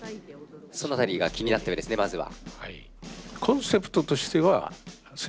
その辺りが気になってるようですねまずは。